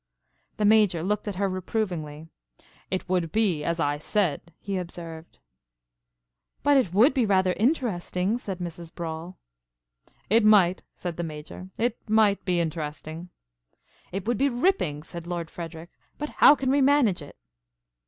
The Major looked at her reprovingly. "It would be as I said," he observed. "But it would be rather interesting," said Mrs. Brawle. "It might," said the Major, "it might be interesting." "It would be ripping!" said Lord Frederic. "But how can we manage it?"